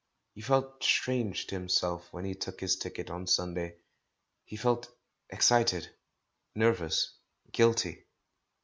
He felt strange to himself when he took his ticket on Sunday. He felt excited, nervous, guilty.